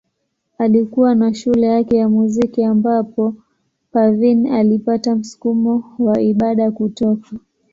Alikuwa na shule yake ya muziki ambapo Parveen alipata msukumo wa ibada kutoka.